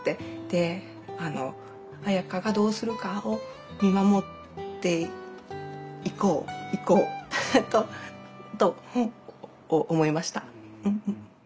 で彩夏がどうするかを見守っていこういこうと思いました。